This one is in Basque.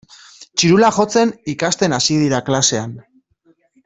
Txirula jotzen ikasten hasi dira klasean.